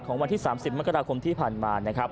วันที่๓๐มกราคมที่ผ่านมานะครับ